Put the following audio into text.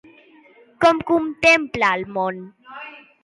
Com contemplen el món?